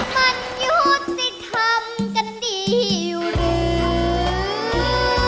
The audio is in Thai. มันยกติดทำกันดีหรือ